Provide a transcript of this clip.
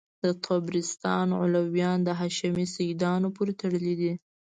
د طبرستان علویان د هاشمي سیدانو پوري تړلي دي.